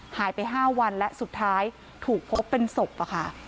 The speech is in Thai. หายไป๕วันและสุดท้ายถูกพบเป็นศพอะค่ะ